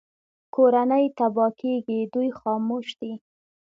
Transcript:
کورنۍ تباه کېږي دوی خاموش دي